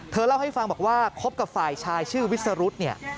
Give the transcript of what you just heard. เล่าให้ฟังบอกว่าคบกับฝ่ายชายชื่อวิสรุธเนี่ย